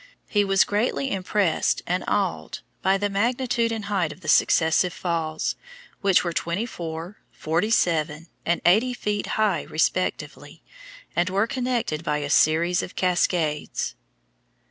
He was greatly impressed and awed by the magnitude and height of the successive falls, which were twenty four, forty seven, and eighty feet high respectively, and were connected by a series of cascades.